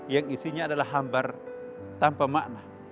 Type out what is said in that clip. yang isinya adalah hambar tanpa makna